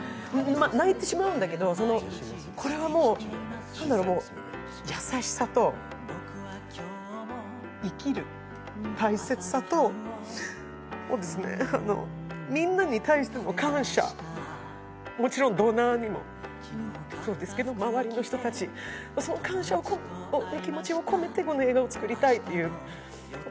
泣いてしまうんだけど、これはもう優しさと、生きる大切さとみんなに対しての感謝、もちろんドナーにもそうですけど、周りの人たち、その感謝の気持ちを込めて、この映画を作りたいという。